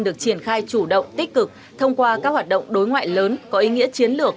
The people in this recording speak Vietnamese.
được triển khai chủ động tích cực thông qua các hoạt động đối ngoại lớn có ý nghĩa chiến lược